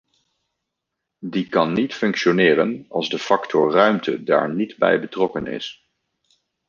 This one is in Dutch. Die kan niet functioneren als de factor ruimte daar niet bij betrokken is.